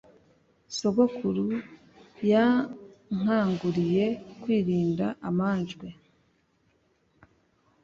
sogokuru yankanguriye kwirinda amanjwe`